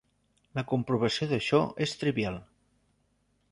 La comprovació d'això és trivial.